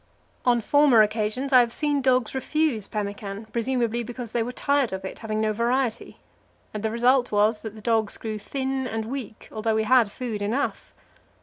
On former occasions I have seen dogs refuse pemmican, presumably because they were tired of it, having no variety; the result was that the dogs grew thin and weak, although we had food enough.